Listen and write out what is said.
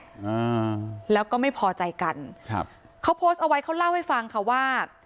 อ่าแล้วก็ไม่พอใจกันครับเขาโพสต์เอาไว้เขาเล่าให้ฟังค่ะว่า